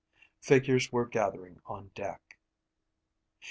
Figures were gathering on deck.